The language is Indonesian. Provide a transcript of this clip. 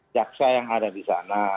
jaksa yang ada di sana